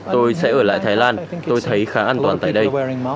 tôi sẽ ở lại thái lan tôi thấy khá an toàn tại đây